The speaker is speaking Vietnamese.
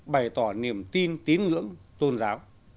bày tỏ niềm tin tín ngưỡng tôn giáo